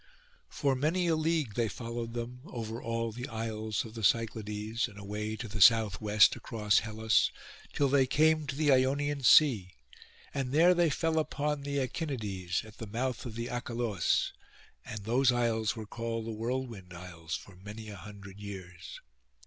For many a league they followed them, over all the isles of the Cyclades, and away to the south west across Hellas, till they came to the Ionian Sea, and there they fell upon the Echinades, at the mouth of the Achelous; and those isles were called the Whirlwind Isles for many a hundred years.